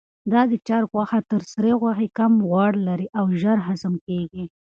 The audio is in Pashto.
دا د چرګ غوښه تر سرې غوښې کمه غوړ لري او ژر هضم کیږي.